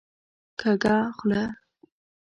کږه خوله